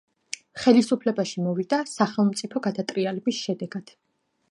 ხელისუფლებაში მოვიდა სახელმწიფო გადატრიალების შედეგად.